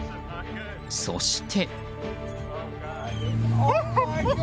そして。